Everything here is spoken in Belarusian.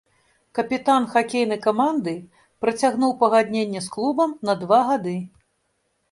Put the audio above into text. Капітан хакейнай каманды працягнуў пагадненне з клубам на два гады.